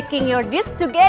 tiga dua satu mulai